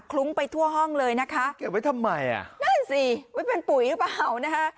ลุ้งไปทั่วห้องเลยนะคะเก็บไว้ทำไมอ่ะนั่นสิไว้เป็นปุ๋ยหรือเปล่านะคะ